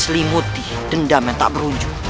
selimuti dendam yang tak berujung